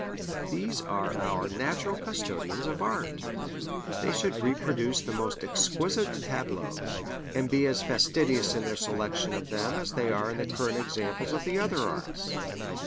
These are our natural custodians of art. They should reproduce the most exquisite tableaus, and be as fastidious in their selection of them as they are in the current examples of the other arts.